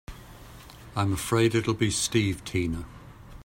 I'm afraid it'll be Steve Tina.